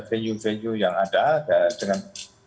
venue venue yang ada dengan